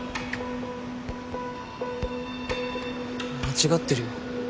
間違ってるよ。